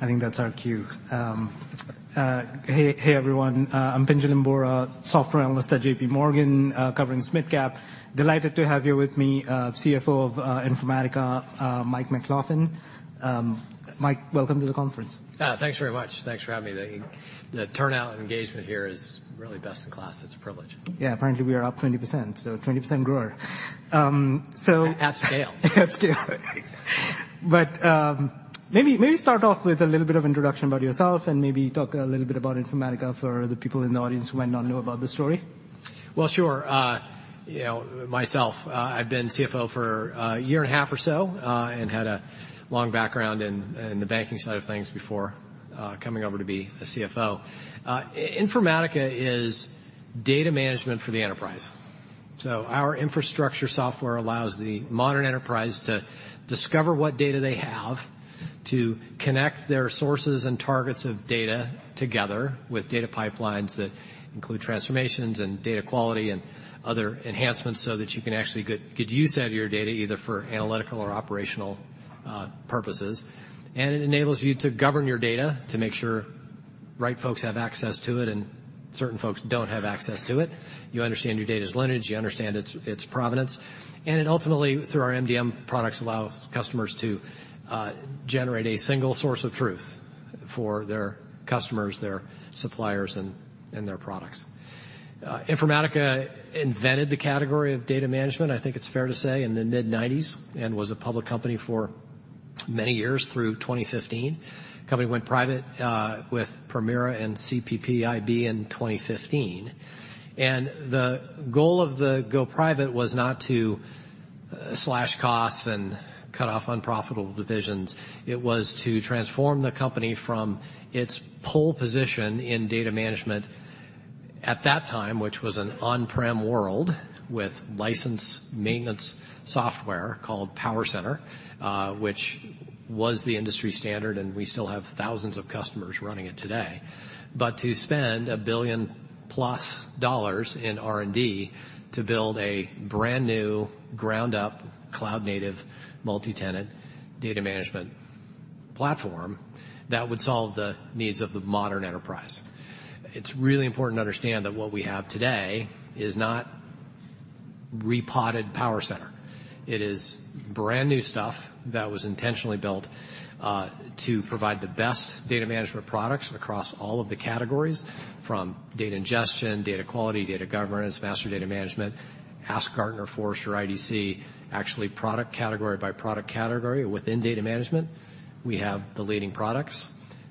I think that's our cue. Hey, everyone, I'm Pinjalim Bora, software analyst at J.P. Morgan, covering SMID Cap. Delighted to have you with me, CFO of Informatica, Mike McLaughlin. Mike, welcome to the conference. Thanks very much. Thanks for having me. The turnout and engagement here is really best in class. It's a privilege. Yeah. Apparently, we are up 20%, so a 20% grower. At scale. At scale. But maybe start off with a little bit of introduction about yourself and maybe talk a little bit about Informatica for the people in the audience who might not know about the story. Well, sure. You know, myself, I've been CFO for a year and a half or so, and had a long background in the banking side of things before coming over to be a CFO. Informatica is data management for the enterprise. So our infrastructure software allows the modern enterprise to discover what data they have, to connect their sources and targets of data together with data pipelines that include transformations and data quality and other enhancements, so that you can actually get use out of your data, either for analytical or operational purposes. And it enables you to govern your data to make sure right folks have access to it, and certain folks don't have access to it. You understand your data's lineage, you understand its provenance, and it ultimately, through our MDM products, allows customers to generate a single source of truth for their customers, their suppliers, and their products. Informatica invented the category of data management, I think it's fair to say, in the mid-1990s, and was a public company for many years through 2015. The company went private with Permira and CPPIB in 2015, and the goal of the go private was not to slash costs and cut off unprofitable divisions. It was to transform the company from its pole position in data management at that time, which was an on-prem world with licensed maintenance software called PowerCenter, which was the industry standard, and we still have thousands of customers running it today. But to spend $1 billion+ in R&D to build a brand-new, ground-up, cloud-native, multi-tenant data management platform that would solve the needs of the modern enterprise. It's really important to understand that what we have today is not repotted PowerCenter. It is brand-new stuff that was intentionally built to provide the best data management products across all of the categories, from data ingestion, data quality, data governance, master data management. Ask Gartner, Forrester, IDC, actually, product category by product category within data management, we have the leading products.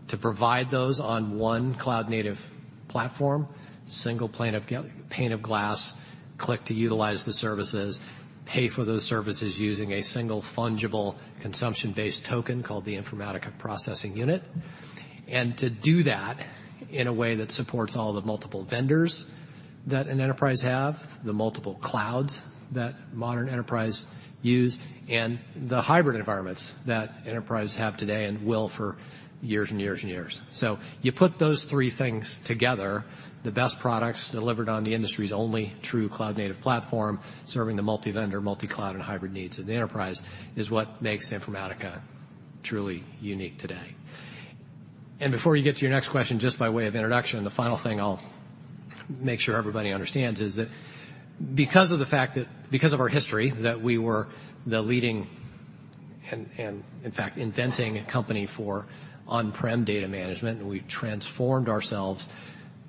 To provide those on one cloud-native platform, single pane of glass, click to utilize the services, pay for those services using a single, fungible, consumption-based token called the Informatica Processing Unit. And to do that in a way that supports all the multiple vendors that an enterprise have, the multiple clouds that modern enterprise use, and the hybrid environments that enterprises have today and will for years and years and years. So you put those three things together, the best products delivered on the industry's only true cloud-native platform, serving the multi-vendor, multi-cloud and hybrid needs of the enterprise, is what makes Informatica truly unique today. And before you get to your next question, just by way of introduction, and the final thing I'll make sure everybody understands, is that because of our history, that we were the leading and in fact, inventing a company for on-prem data management, and we've transformed ourselves,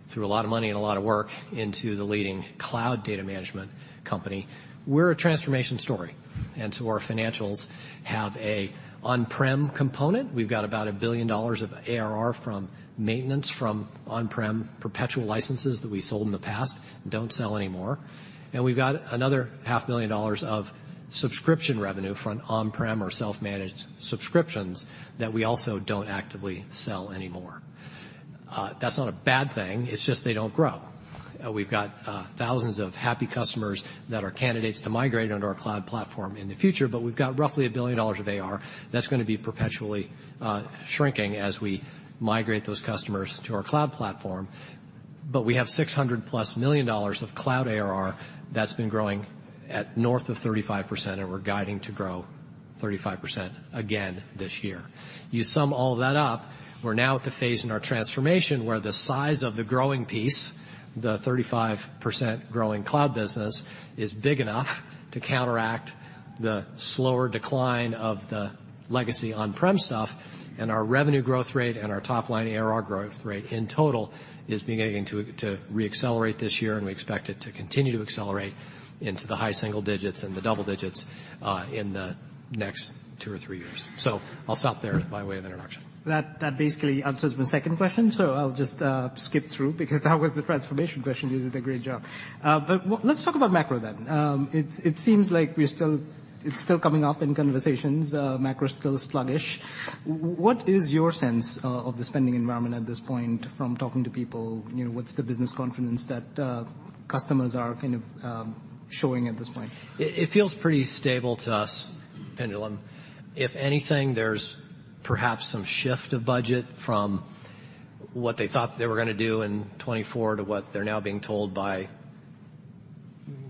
through a lot of money and a lot of work, into the leading cloud data management company, we're a transformation story. And so our financials have an on-prem component. We've got about $1 billion of ARR from maintenance, from on-prem perpetual licenses that we sold in the past and don't sell anymore. And we've got another $500,000 of subscription revenue from on-prem or self-managed subscriptions that we also don't actively sell anymore. That's not a bad thing; it's just they don't grow. We've got thousands of happy customers that are candidates to migrate onto our cloud platform in the future, but we've got roughly $1 billion of ARR that's gonna be perpetually shrinking as we migrate those customers to our cloud platform. But we have $600+ million of cloud ARR that's been growing at north of 35%, and we're guiding to grow 35% again this year. You sum all that up, we're now at the phase in our transformation where the size of the growing piece, the 35% growing cloud business, is big enough to counteract the slower decline of the legacy on-prem stuff, and our revenue growth rate and our top-line ARR growth rate in total is beginning to re-accelerate this year, and we expect it to continue to accelerate into the high single digits and the double digits in the next two or three years. So I'll stop there by way of introduction. That, that basically answers my second question, so I'll just skip through, because that was the transformation question. You did a great job. But let's talk about macro then. It seems like we're still... It's still coming up in conversations, macro is still sluggish. What is your sense of the spending environment at this point from talking to people? You know, what's the business confidence that customers are kind of showing at this point? It feels pretty stable to us, Pinjalim. If anything, there's perhaps some shift of budget from what they thought they were gonna do in 2024 to what they're now being told by,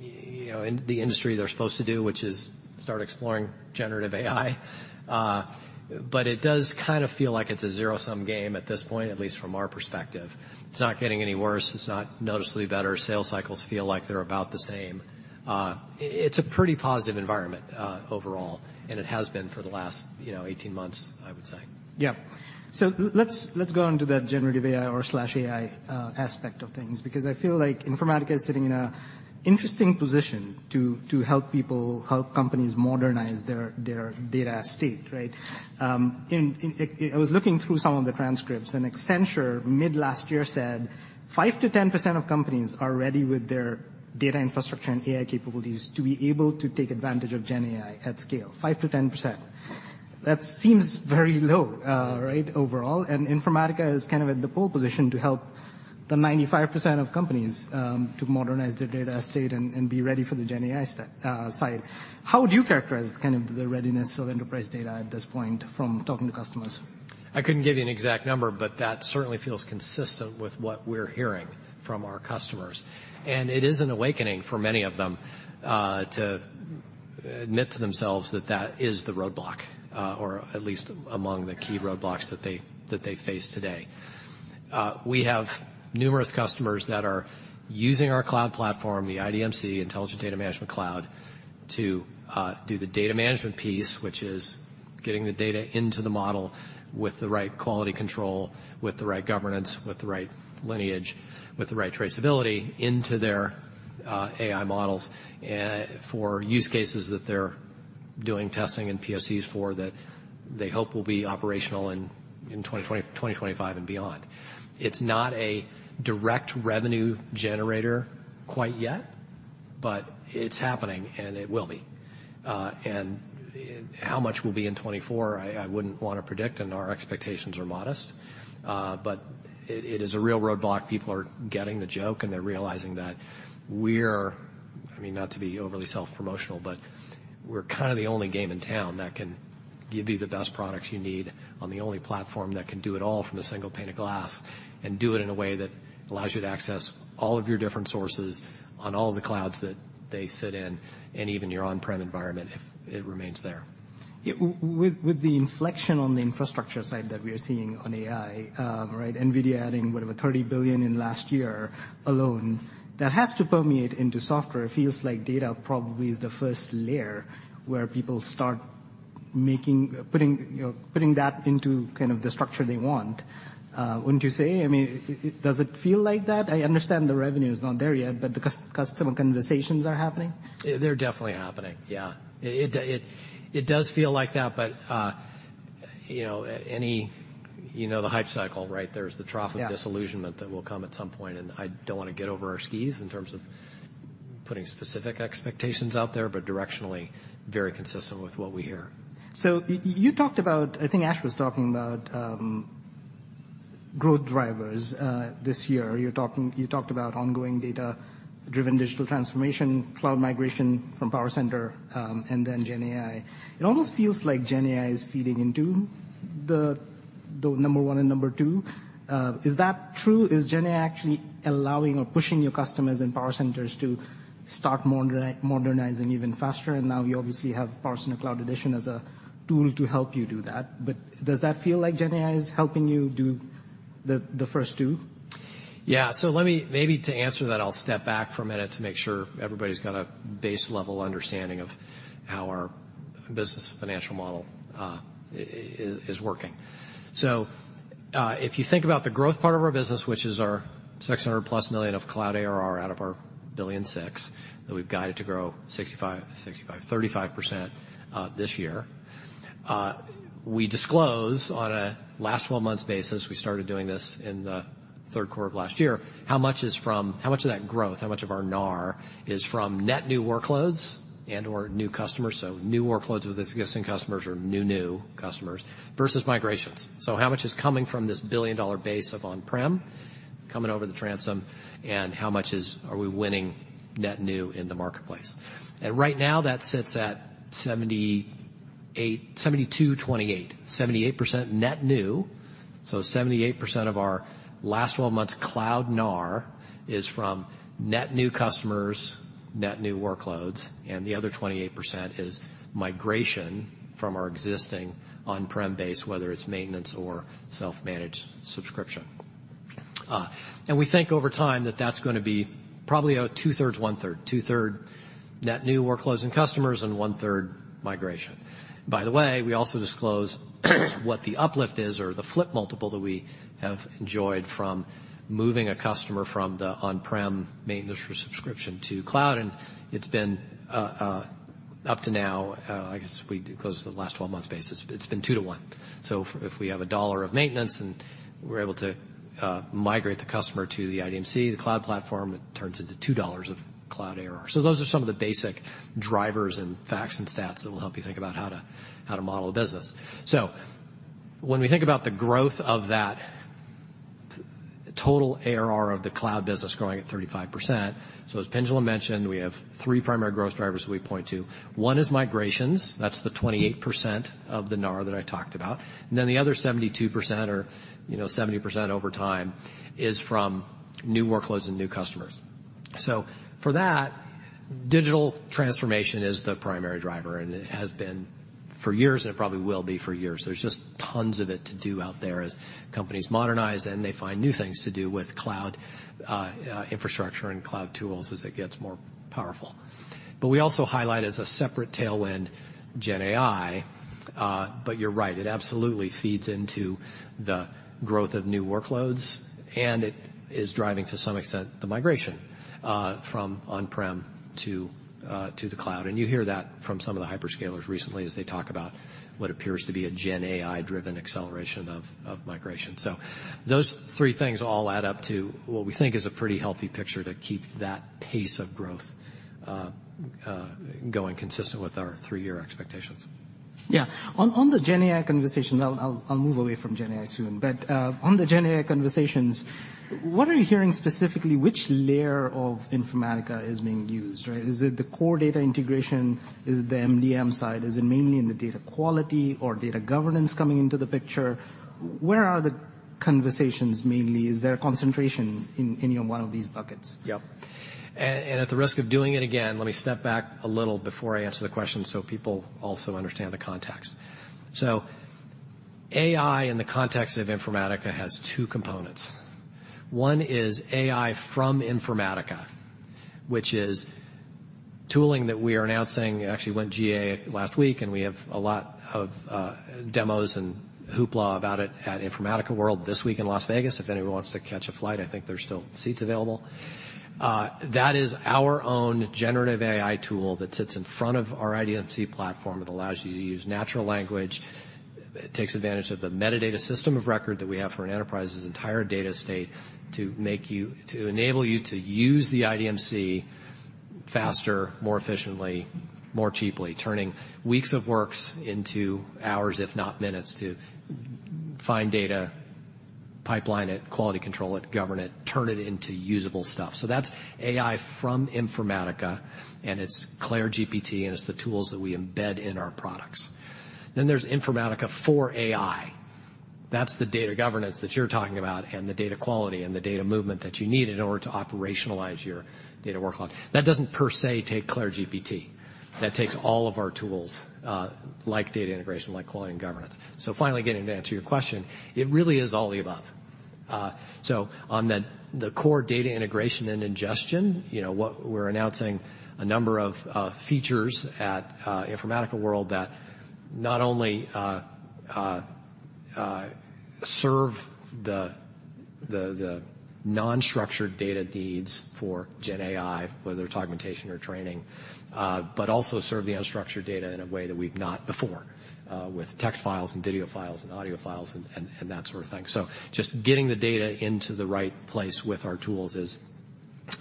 you know, in the industry they're supposed to do, which is start exploring generative AI. But it does kind of feel like it's a zero-sum game at this point, at least from our perspective. It's not getting any worse. It's not noticeably better. Sales cycles feel like they're about the same. It's a pretty positive environment, overall, and it has been for the last, you know, 18 months, I would say. Yeah. So let's, let's go into that generative AI or slash AI aspect of things, because I feel like Informatica is sitting in a interesting position to, to help people, help companies modernize their, their data estate, right? And I was looking through some of the transcripts, and Accenture, mid last year, said, "5%-10% of companies are ready with their data infrastructure and AI capabilities to be able to take advantage of GenAI at scale." 5%-10%. That seems very low, right, overall, and Informatica is kind of in the pole position to help the 95% of companies, to modernize their data estate and, and be ready for the GenAI side. How would you characterize kind of the readiness of enterprise data at this point from talking to customers? I couldn't give you an exact number, but that certainly feels consistent with what we're hearing from our customers. It is an awakening for many of them to admit to themselves that that is the roadblock or at least among the key roadblocks that they, that they face today. We have numerous customers that are using our cloud platform, the IDMC, Intelligent Data Management Cloud, to do the data management piece, which is getting the data into the model with the right quality control, with the right governance, with the right lineage, with the right traceability into their AI models for use cases that they're doing testing and POCs for that they hope will be operational in 2025 and beyond. It's not a direct revenue generator quite yet, but it's happening, and it will be. And how much will be in 2024, I wouldn't want to predict, and our expectations are modest. But it is a real roadblock. People are getting the joke, and they're realizing that we're... I mean, not to be overly self-promotional, but we're kind of the only game in town that can give you the best products you need on the only platform that can do it all from a single pane of glass, and do it in a way that allows you to access all of your different sources on all the clouds that they fit in and even your on-prem environment, if it remains there. With the inflection on the infrastructure side that we are seeing on AI, right, NVIDIA adding, what, about $30 billion in last year alone, that has to permeate into software. It feels like data probably is the first layer where people start putting, you know, putting that into kind of the structure they want, wouldn't you say? I mean, does it feel like that? I understand the revenue is not there yet, but the customer conversations are happening? They're definitely happening, yeah. It does feel like that, but, you know, any... You know the hype cycle, right? There's the trough- Yeah... of disillusionment that will come at some point, and I don't want to get over our skis in terms of putting specific expectations out there, but directionally, very consistent with what we hear. So you talked about... I think Ash was talking about growth drivers this year. You talked about ongoing data-driven digital transformation, cloud migration from PowerCenter, and then GenAI. It almost feels like GenAI is feeding into the number one and number two. Is that true? Is GenAI actually allowing or pushing your customers and PowerCenters to start modernizing even faster? And now you obviously have PowerCenter Cloud Edition as a tool to help you do that. But does that feel like GenAI is helping you do the first two? Yeah. So let me, maybe to answer that, I'll step back for a minute to make sure everybody's got a base-level understanding of how our business financial model is working. So, if you think about the growth part of our business, which is our $600+ million of cloud ARR out of our $1.6 billion, that we've guided to grow 65, 65, 35% this year. We disclose on a last twelve months basis; we started doing this in the third quarter of last year, how much is from how much of that growth, how much of our NAR is from net new workloads and/or new customers, so new workloads with existing customers or new, new customers, versus migrations. So how much is coming from this billion-dollar base of on-prem, coming over the transom, and how much is- are we winning net new in the marketplace? And right now, that sits at 78, 72/28, 78% net new. So 78% of our last twelve months cloud NAR is from net new customers, net new workloads, and the other 28% is migration from our existing on-prem base, whether it's maintenance or self-managed subscription. And we think over time that that's gonna be probably about 2/3, 1/3. Two-thirds net new workloads and customers and one-third migration. By the way, we also disclose what the uplift is or the flip multiple that we have enjoyed from moving a customer from the on-prem maintenance subscription to cloud, and it's been, up to now, I guess we closed the last twelve months basis, it's been 2 to 1. So if we have $1 of maintenance and we're able to migrate the customer to the IDMC, the cloud platform, it turns into $2 of cloud ARR. So those are some of the basic drivers and facts and stats that will help you think about how to, how to model a business. So when we think about the growth of that total ARR of the cloud business growing at 35%, so as Pinjalim mentioned, we have three primary growth drivers we point to. One is migrations. That's the 28% of the NAR that I talked about. And then the other 72% or, you know, 70% over time is from new workloads and new customers. So for that, digital transformation is the primary driver, and it has been for years, and it probably will be for years. There's just tons of it to do out there as companies modernize, and they find new things to do with cloud infrastructure and cloud tools as it gets more powerful. But we also highlight as a separate tailwind, GenAI, but you're right, it absolutely feeds into the growth of new workloads, and it is driving, to some extent, the migration from on-prem to the cloud. And you hear that from some of the hyperscalers recently as they talk about what appears to be a GenAI-driven acceleration of migration. So those three things all add up to what we think is a pretty healthy picture to keep that pace of growth going consistent with our three-year expectations. Yeah. On the GenAI conversation, I'll move away from GenAI soon. But on the GenAI conversations, what are you hearing specifically, which layer of Informatica is being used, right? Is it the core data integration? Is it the MDM side? Is it mainly in the data quality or data governance coming into the picture? Where are the conversations mainly? Is there a concentration in one of these buckets? Yep. And at the risk of doing it again, let me step back a little before I answer the question so people also understand the context. So AI, in the context of Informatica, has two components. One is AI from Informatica, which is tooling that we are announcing, actually went GA last week, and we have a lot of demos and hoopla about it at Informatica World this week in Las Vegas. If anyone wants to catch a flight, I think there's still seats available. That is our own generative AI tool that sits in front of our IDMC platform. It allows you to use natural language. It takes advantage of the metadata system of record that we have for an enterprise's entire data state to enable you to use the IDMC faster, more efficiently, more cheaply, turning weeks of work into hours, if not minutes, to find data, pipeline it, quality control it, govern it, turn it into usable stuff. So that's AI from Informatica, and it's CLAIRE GPT, and it's the tools that we embed in our products. Then there's Informatica for AI. That's the data governance that you're talking about, and the data quality, and the data movement that you need in order to operationalize your data workload. That doesn't, per se, take CLAIRE GPT. That takes all of our tools, like data integration, like quality and governance. So finally, getting to answer your question, it really is all the above. So on the core data integration and ingestion, you know, we're announcing a number of features at Informatica World that not only serve the nonstructured data needs for GenAI, whether it's augmentation or training, but also serve the unstructured data in a way that we've not before, with text files and video files and audio files and that sort of thing. So just getting the data into the right place with our tools is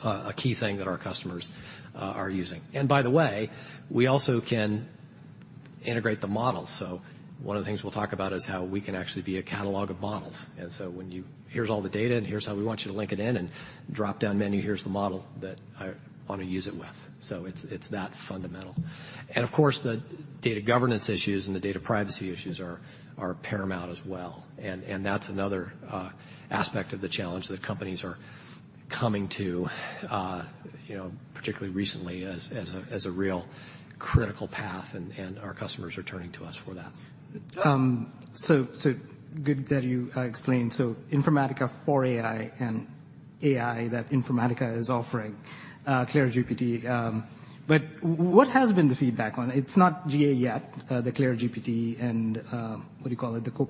a key thing that our customers are using. And by the way, we also can integrate the models. So one of the things we'll talk about is how we can actually be a catalog of models. And so when you... Here's all the data, and here's how we want you to link it in, and drop-down menu, here's the model that I want to use it with." So it's, it's that fundamental. And, of course, the data governance issues and the data privacy issues are, are paramount as well. And, and that's another aspect of the challenge that companies are coming to, you know, particularly recently as, as a, as a real critical path, and, and our customers are turning to us for that. So good that you explained, so Informatica for AI and AI, that Informatica is offering, CLAIRE GPT. But what has been the feedback on it? It's not GA yet, the CLAIRE GPT and, what do you call it, the CLAIRE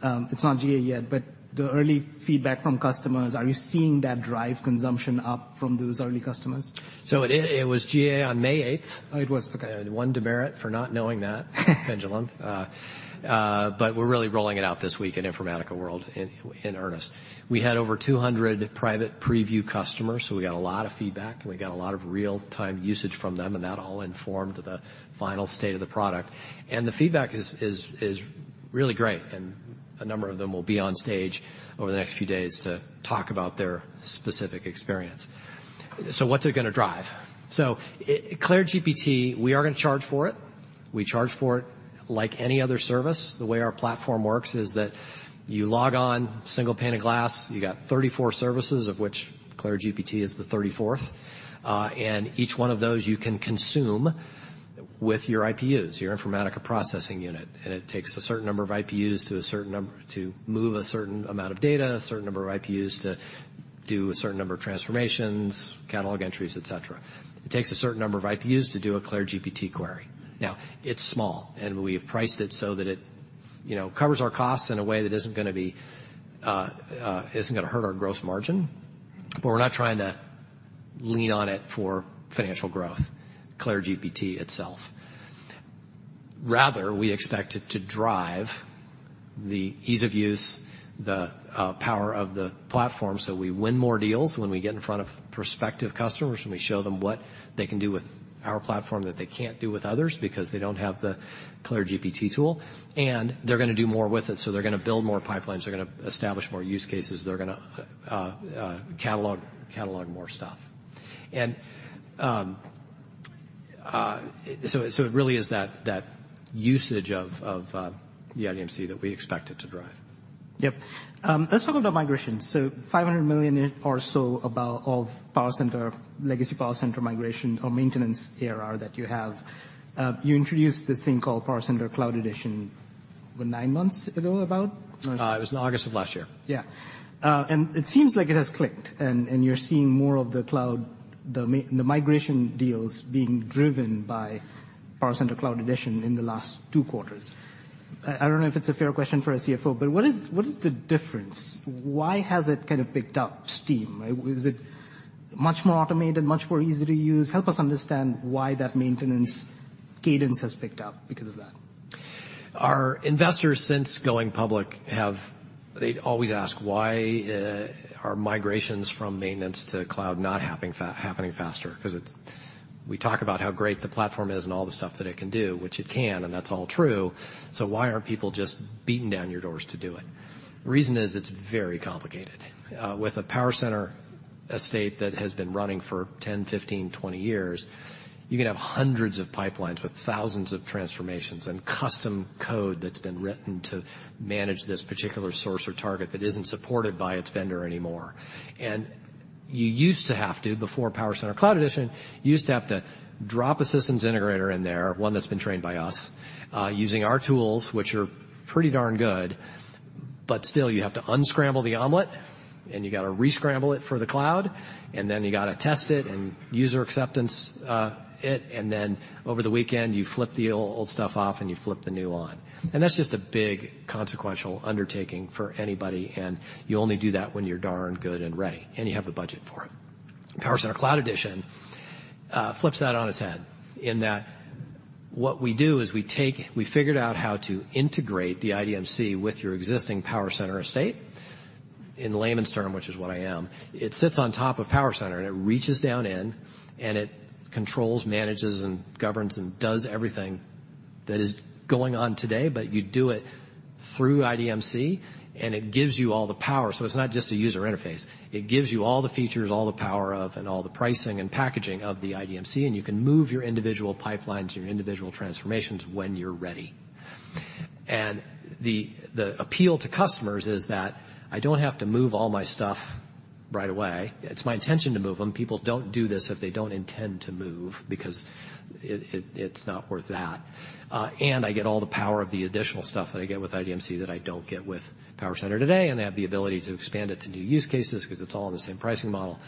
Copilot. It's not GA yet, but the early feedback from customers, are you seeing that drive consumption up from those early customers? So it was GA on May eighth. Oh, it was. Okay. One demerit for not knowing that, Pinjalim. But we're really rolling it out this week in Informatica World in earnest. We had over 200 private preview customers, so we got a lot of feedback, and we got a lot of real-time usage from them, and that all informed the final state of the product. And the feedback is really great, and a number of them will be on stage over the next few days to talk about their specific experience. So what's it gonna drive? So CLAIRE GPT, we are gonna charge for it. We charge for it like any other service. The way our platform works is that you log on, single pane of glass, you got 34 services, of which CLAIRE GPT is the 34th. And each one of those, you can consume with your IPUs, your Informatica Processing Unit. It takes a certain number of IPUs to move a certain amount of data, a certain number of IPUs to do a certain number of transformations, catalog entries, et cetera. It takes a certain number of IPUs to do a CLAIRE GPT query. Now, it's small, and we've priced it so that it, you know, covers our costs in a way that isn't gonna be, isn't gonna hurt our gross margin, but we're not trying to lean on it for financial growth, CLAIRE GPT itself. Rather, we expect it to drive the ease of use, the power of the platform, so we win more deals when we get in front of prospective customers, and we show them what they can do with our platform that they can't do with others because they don't have the CLAIRE GPT tool, and they're gonna do more with it. So they're gonna build more pipelines, they're gonna establish more use cases, they're gonna catalog more stuff. So it really is that usage of the IDMC that we expect it to drive.... Yep. Let's talk about migration. So $500 million or so of PowerCenter, legacy PowerCenter migration or maintenance ARR that you have. You introduced this thing called PowerCenter Cloud Edition, what, nine months ago, about? Or- It was in August of last year. Yeah. And it seems like it has clicked, and you're seeing more of the cloud, the migration deals being driven by PowerCenter Cloud Edition in the last two quarters. I don't know if it's a fair question for a CFO, but what is the difference? Why has it kind of picked up steam? Is it much more automated, much more easy to use? Help us understand why that maintenance cadence has picked up because of that. Our investors, since going public, have... They always ask, "Why are migrations from maintenance to cloud not happening faster?" 'Cause it's we talk about how great the platform is and all the stuff that it can do, which it can, and that's all true, so why aren't people just beating down your doors to do it? The reason is it's very complicated. With a PowerCenter, estate that has been running for 10, 15, 20 years, you can have hundreds of pipelines with thousands of transformations and custom code that's been written to manage this particular source or target that isn't supported by its vendor anymore. You used to have to, before PowerCenter Cloud Edition, you used to have to drop a systems integrator in there, one that's been trained by us, using our tools, which are pretty darn good, but still, you have to unscramble the omelet, and you've got to rescramble it for the cloud, and then you got to test it and user acceptance, it, and then over the weekend, you flip the old stuff off, and you flip the new on. That's just a big consequential undertaking for anybody, and you only do that when you're darn good and ready, and you have the budget for it. PowerCenter Cloud Edition flips that on its head in that what we do is we figured out how to integrate the IDMC with your existing PowerCenter estate. In layman's term, which is what I am, it sits on top of PowerCenter, and it reaches down in, and it controls, manages, and governs, and does everything that is going on today, but you do it through IDMC, and it gives you all the power. So it's not just a user interface. It gives you all the features, all the power of, and all the pricing and packaging of the IDMC, and you can move your individual pipelines, your individual transformations when you're ready. And the appeal to customers is that I don't have to move all my stuff right away. It's my intention to move them. People don't do this if they don't intend to move because it's not worth that. And I get all the power of the additional stuff that I get with IDMC that I don't get with PowerCenter today, and I have the ability to expand it to new use cases because it's all in the same pricing model,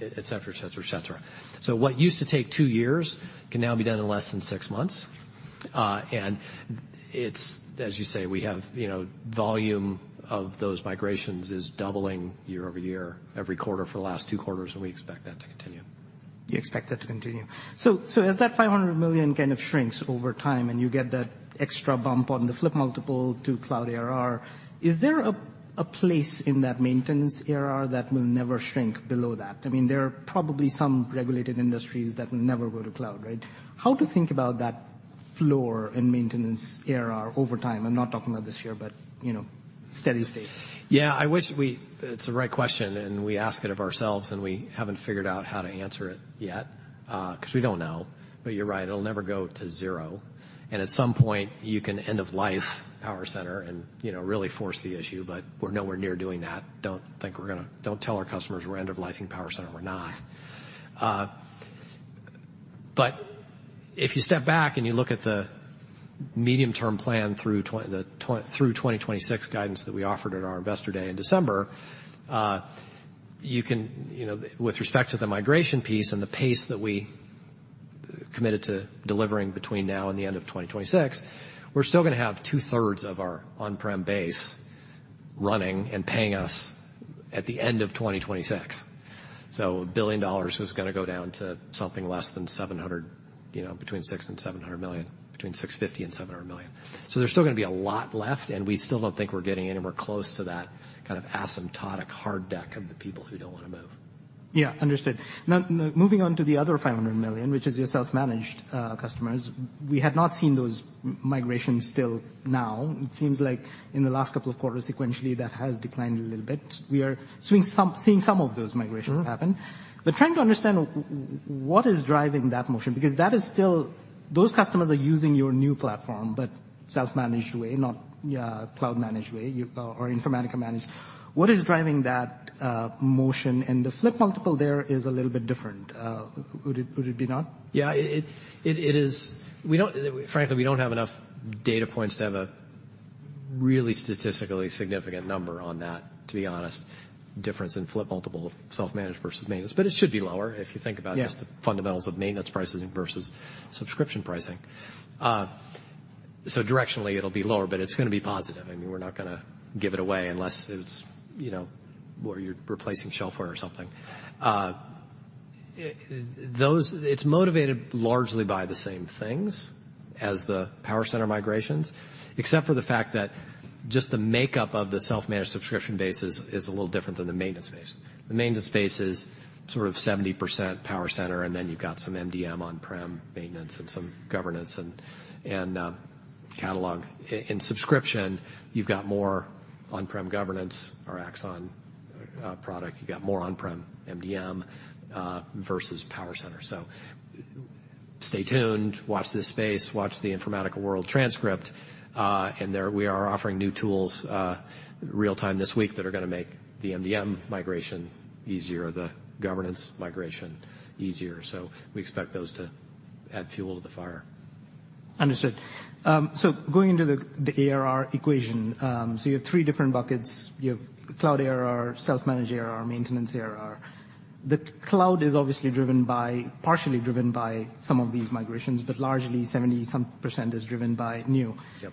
et cetera, et cetera, et cetera. So what used to take two years can now be done in less than six months. And it's, as you say, we have, you know, volume of those migrations is doubling year-over-year, every quarter for the last two quarters, and we expect that to continue. You expect that to continue. So, as that $500 million kind of shrinks over time, and you get that extra bump on the flip multiple to cloud ARR, is there a place in that maintenance ARR that will never shrink below that? I mean, there are probably some regulated industries that will never go to cloud, right? How to think about that floor in maintenance ARR over time? I'm not talking about this year, but, you know, steady state. Yeah, I wish we... It's the right question, and we ask it of ourselves, and we haven't figured out how to answer it yet, because we don't know. But you're right, it'll never go to zero. And at some point, you can end-of-life PowerCenter and, you know, really force the issue, but we're nowhere near doing that. Don't think we're gonna. Don't tell our customers we're end-of-lifing PowerCenter. We're not. But if you step back and you look at the medium-term plan through 2026 guidance that we offered at our Investor Day in December, you can, you know, with respect to the migration piece and the pace that we committed to delivering between now and the end of 2026, we're still gonna have two-thirds of our on-prem base running and paying us at the end of 2026. So $1 billion is gonna go down to something less than $700 million, you know, between $600 million and $700 million, between $650 million and $700 million. So there's still gonna be a lot left, and we still don't think we're getting anywhere close to that kind of asymptotic hard deck of the people who don't want to move. Yeah, understood. Now, moving on to the other $500 million, which is your self-managed customers, we had not seen those migrations till now. It seems like in the last couple of quarters, sequentially, that has declined a little bit. We are seeing some of those migrations happen. Mm-hmm. But trying to understand what is driving that motion, because that is still... Those customers are using your new platform, but self-managed way, not cloud-managed way, you, or Informatica managed. What is driving that motion, and the flip multiple there is a little bit different. Would it, would it be not? Yeah, it is. Frankly, we don't have enough data points to have a really statistically significant number on that, to be honest, difference in flip multiple of self-managed versus maintenance. But it should be lower if you think about- Yeah... just the fundamentals of maintenance pricing versus subscription pricing. So directionally, it'll be lower, but it's gonna be positive. I mean, we're not gonna give it away unless it's, you know, where you're replacing shelfware or something. Those- it's motivated largely by the same things as the PowerCenter migrations, except for the fact that just the makeup of the self-managed subscription base is a little different than the maintenance base. The maintenance base is sort of 70% PowerCenter, and then you've got some MDM on-prem maintenance and some governance and catalog. In subscription, you've got more on-prem governance or Axon product. You've got more on-prem MDM versus PowerCenter. So... Stay tuned, watch this space, watch the Informatica World transcript. There we are offering new tools, real-time this week that are going to make the MDM migration easier, the governance migration easier. So we expect those to add fuel to the fire. Understood. So going into the ARR equation, so you have three different buckets. You have cloud ARR, self-managed ARR, maintenance ARR. The cloud is obviously driven by partially driven by some of these migrations, but largely 70-some% is driven by new. Yep.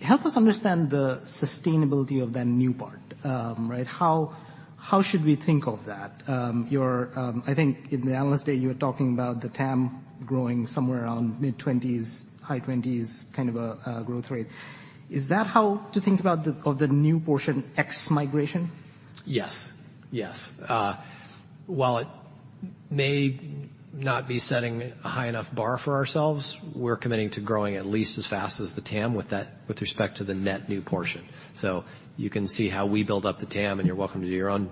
Help us understand the sustainability of that new part. Right, how should we think of that? You're, I think in the Analyst Day, you were talking about the TAM growing somewhere around mid-twenties, high twenties, kind of a growth rate. Is that how to think about the, of the new portion X migration? Yes. Yes. While it may not be setting a high enough bar for ourselves, we're committing to growing at least as fast as the TAM with that, with respect to the net new portion. So you can see how we build up the TAM, and you're welcome to do your own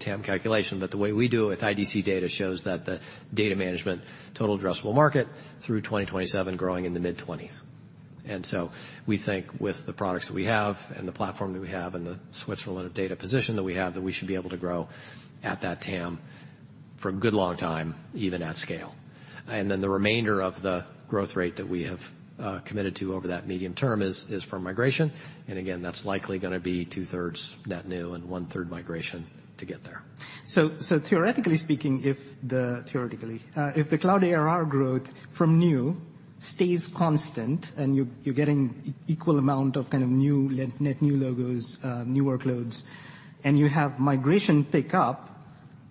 TAM calculation. But the way we do it with IDC data shows that the data management total addressable market through 2027, growing in the mid-20s. And so we think with the products that we have and the platform that we have and the Switzerland of data position that we have, that we should be able to grow at that TAM for a good long time, even at scale. And then the remainder of the growth rate that we have committed to over that medium term is from migration. And again, that's likely gonna be two-thirds net new and one-third migration to get there. So, theoretically speaking, if the cloud ARR growth from new stays constant and you're getting equal amount of kind of new net new logos, new workloads, and you have migration pick up,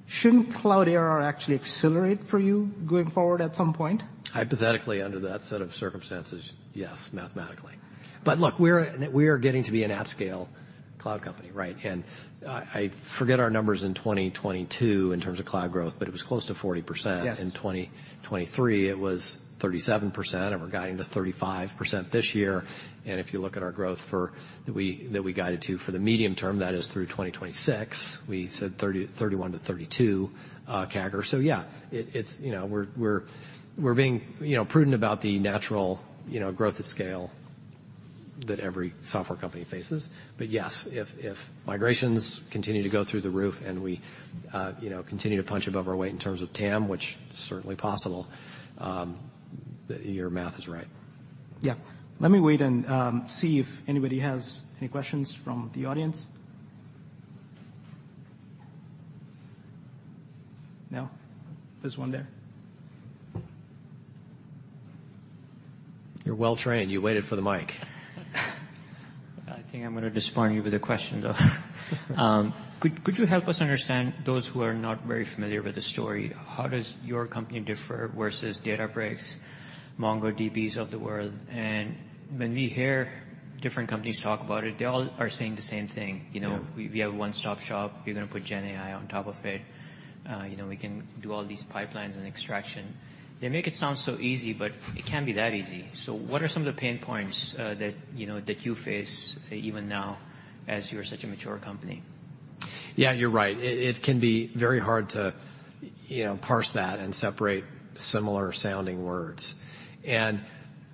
shouldn't cloud ARR actually accelerate for you going forward at some point? Hypothetically, under that set of circumstances, yes, mathematically. But look, we're, we are getting to be an at-scale cloud company, right? And, I forget our numbers in 2022 in terms of cloud growth, but it was close to 40%. Yes. In 2023, it was 37%, and we're guiding to 35% this year. And if you look at our growth for that we guided to for the medium term, that is through 2026, we said 30, 31-32% CAGR. So yeah, it's, you know, we're being, you know, prudent about the natural, you know, growth at scale that every software company faces. But yes, if migrations continue to go through the roof and we, you know, continue to punch above our weight in terms of TAM, which is certainly possible, your math is right. Yeah. Let me wait and see if anybody has any questions from the audience. No? There's one there. You're well trained. You waited for the mic. I think I'm going to disappoint you with a question, though. Could you help us understand, those who are not very familiar with the story, how does your company differ versus Databricks, MongoDBs of the world? And when we hear different companies talk about it, they all are saying the same thing. Yeah. You know, we, we have a one-stop shop. We're going to put GenAI on top of it. You know, we can do all these pipelines and extraction. They make it sound so easy, but it can't be that easy. So what are some of the pain points, that, you know, that you face even now as you're such a mature company? Yeah, you're right. It can be very hard to, you know, parse that and separate similar-sounding words. And,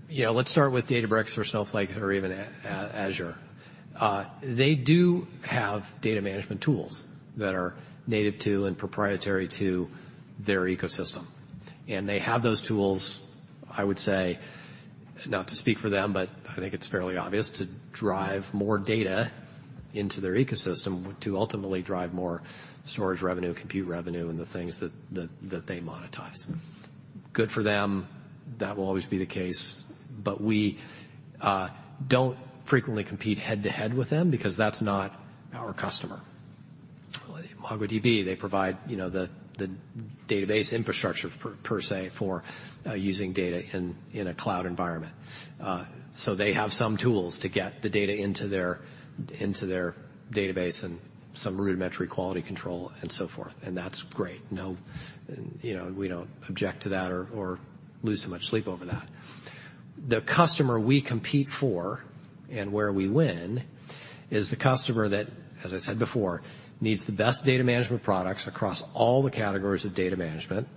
you know, let's start with Databricks or Snowflake or even Azure. They do have data management tools that are native to and proprietary to their ecosystem, and they have those tools, I would say, not to speak for them, but I think it's fairly obvious, to drive more data into their ecosystem, to ultimately drive more storage revenue, compute revenue, and the things that they monetize. Good for them. That will always be the case, but we don't frequently compete head-to-head with them because that's not our customer. MongoDB, they provide, you know, the database infrastructure per se, for using data in a cloud environment. So they have some tools to get the data into their, into their database and some rudimentary quality control and so forth, and that's great. No... You know, we don't object to that or, or lose too much sleep over that. The customer we compete for, and where we win, is the customer that, as I said before, needs the best data management products across all the categories of data management,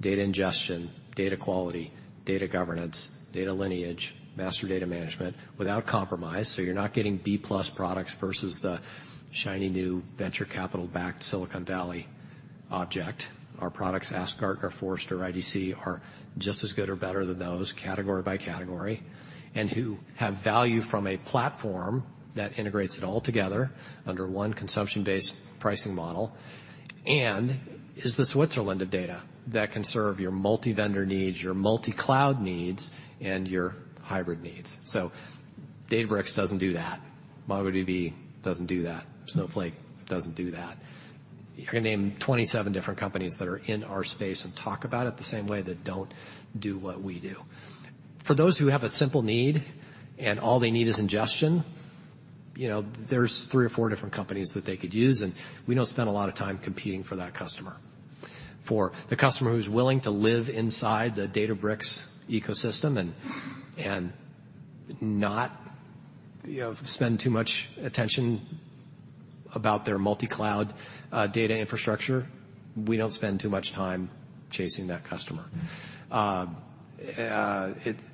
data ingestion, data quality, data governance, data lineage, master data management, without compromise. So you're not getting B+ products versus the shiny new venture capital-backed Silicon Valley object. Our products, per Gartner, Forrester, or IDC, are just as good or better than those, category by category, and who have value from a platform that integrates it all together under one consumption-based pricing model, and is the Switzerland of data that can serve your multi-vendor needs, your multi-cloud needs, and your hybrid needs. So Databricks doesn't do that. MongoDB doesn't do that. Snowflake doesn't do that. I can name 27 different companies that are in our space and talk about it the same way, that don't do what we do. For those who have a simple need, and all they need is ingestion, you know, there's three or four different companies that they could use, and we don't spend a lot of time competing for that customer. For the customer who's willing to live inside the Databricks ecosystem and not, you know, spend too much attention-... about their multi-cloud data infrastructure, we don't spend too much time chasing that customer.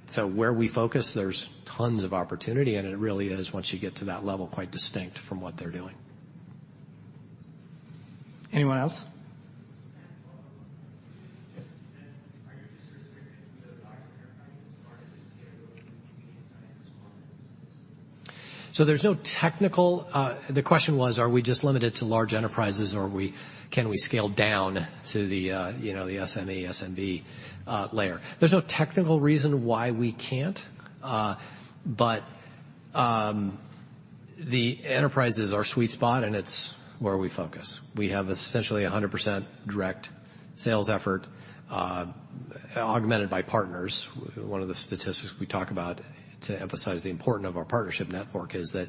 So where we focus, there's tons of opportunity, and it really is, once you get to that level, quite distinct from what they're doing. Anyone else? So there's no technical. The question was, are we just limited to large enterprises, or can we scale down to the, you know, the SME/SMB layer? There's no technical reason why we can't, but the enterprises are our sweet spot, and it's where we focus. We have essentially 100% direct sales effort, augmented by partners. One of the statistics we talk about to emphasize the importance of our partnership network is that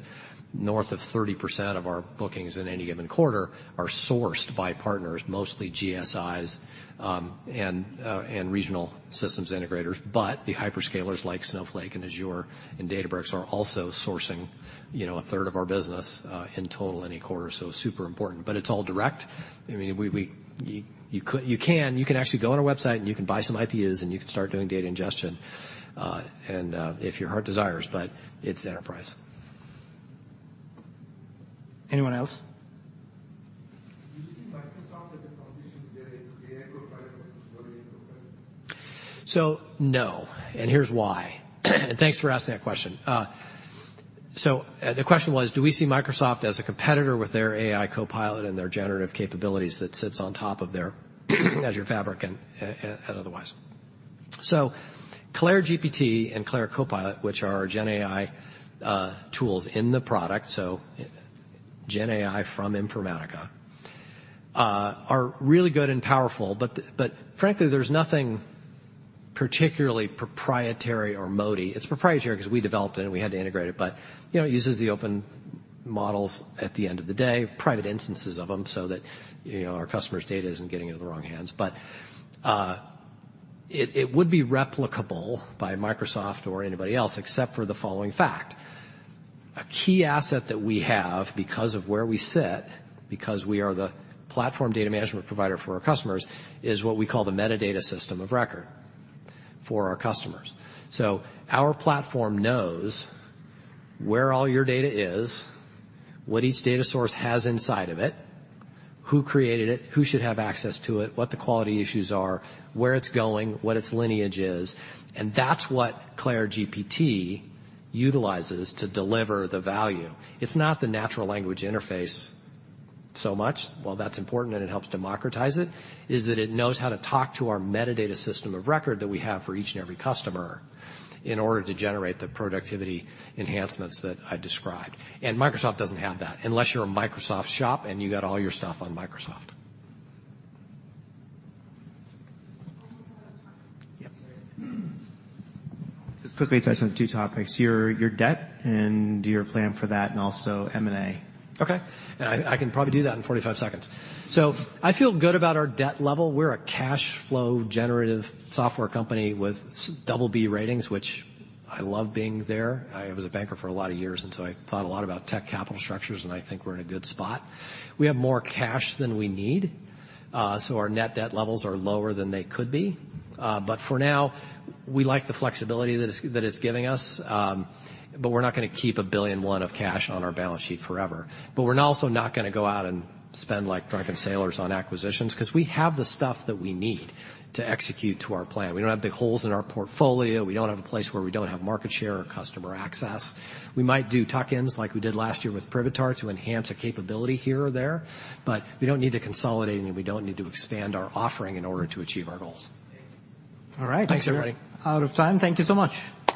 north of 30% of our bookings in any given quarter are sourced by partners, mostly GSIs, and regional systems integrators. But the hyperscalers like Snowflake and Azure and Databricks are also sourcing, you know, a third of our business, in total any quarter, so super important. But it's all direct. I mean, you could. You can. You can actually go on our website, and you can buy some IPUs, and you can start doing data ingestion, and if your heart desires, but it's enterprise. Anyone else? So, no, and here's why. And thanks for asking that question. So, the question was, do we see Microsoft as a competitor with their AI Copilot and their generative capabilities that sits on top of their Azure Fabric and otherwise? So CLAIRE GPT and CLAIRE Copilot, which are our GenAI tools in the product, so GenAI from Informatica, are really good and powerful, but frankly, there's nothing particularly proprietary or moaty. It's proprietary because we developed it, and we had to integrate it. But, you know, it uses the open models at the end of the day, private instances of them, so that, you know, our customers' data isn't getting into the wrong hands. But it would be replicable by Microsoft or anybody else, except for the following fact: A key asset that we have, because of where we sit, because we are the platform data management provider for our customers, is what we call the metadata system of record for our customers. So our platform knows where all your data is, what each data source has inside of it, who created it, who should have access to it, what the quality issues are, where it's going, what its lineage is, and that's what CLAIRE GPT utilizes to deliver the value. It's not the natural language interface so much. While that's important, and it helps democratize it, is that it knows how to talk to our metadata system of record that we have for each and every customer in order to generate the productivity enhancements that I described. Microsoft doesn't have that, unless you're a Microsoft shop, and you got all your stuff on Microsoft. Yep. Just quickly touch on two topics, your, your debt and your plan for that, and also M&A. Okay, and I can probably do that in 45 seconds. So I feel good about our debt level. We're a cash flow generative software company with double B ratings, which I love being there. I was a banker for a lot of years, and so I thought a lot about tech capital structures, and I think we're in a good spot. We have more cash than we need, so our net debt levels are lower than they could be. But for now, we like the flexibility that it's giving us, but we're not gonna keep $1.1 billion of cash on our balance sheet forever. But we're also not gonna go out and spend like drunken sailors on acquisitions, 'cause we have the stuff that we need to execute to our plan. We don't have big holes in our portfolio. We don't have a place where we don't have market share or customer access. We might do tuck-ins like we did last year with Privitar to enhance a capability here or there, but we don't need to consolidate, and we don't need to expand our offering in order to achieve our goals. Thank you. All right. Thanks, everybody. Out of time. Thank you so much.